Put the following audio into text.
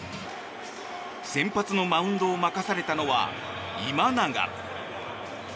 先発のマウンドを任されたのは今永。